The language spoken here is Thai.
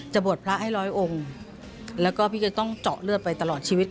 บวชพระให้ร้อยองค์แล้วก็พี่จะต้องเจาะเลือดไปตลอดชีวิต